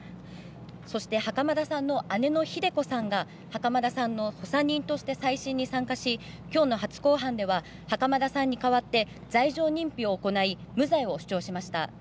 そして袴田さんの姉のひで子さんが袴田さんの補佐人として再審に参加しきょうの初公判では袴田さんに代わって罪状認否を行い、無罪を主張しました。